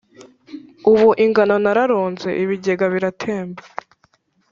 Ubu ingano nararunze, Ibigega biratemba.